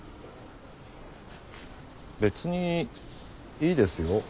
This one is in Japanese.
別にいいですよ